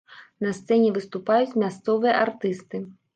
На сцэне выступаюць мясцовыя артысты.